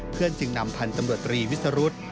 จึงนำพันธุ์ตำรวจตรีวิสรุธ